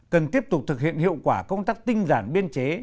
cần tiếp tục thực hiện hiệu quả công tác tinh giản biên chế